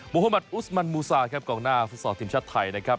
โฮมัติอุสมันมูซาครับกองหน้าฟุตซอลทีมชาติไทยนะครับ